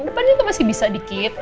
depannya itu masih bisa dikit